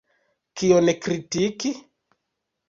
Kion kritiki?